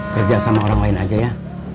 kerja sama orang lain aja ya